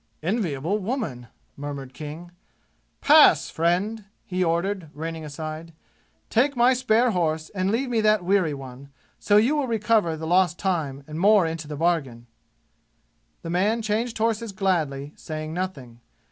"Enviable woman!" murmured King. "Pass, friend!" he ordered, reining aside. "Take my spare horse and leave me that weary one, so you will recover the lost time and more into the bargain." The man changed horses gladly, saying nothing.